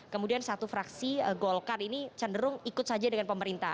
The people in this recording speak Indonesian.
kemudian satu fraksi golkar ini cenderung ikut saja dengan pemerintah